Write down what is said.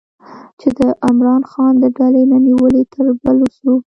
چې د عمران خان د ډلې نه نیولې تر بلوڅو